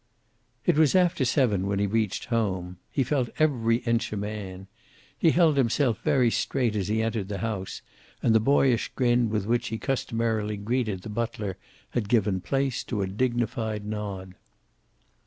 It was after seven when he reached home. He felt every inch a man. He held himself very straight as he entered the house, and the boyish grin with which he customarily greeted the butler had given place to a dignified nod.